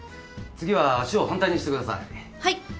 次は足を反対にしてください。